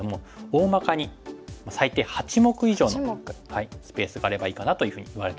おおまかに最低８目以上のスペースがあればいいかなというふうにいわれてますね。